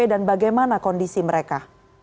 dan bagaimana kondisi mereka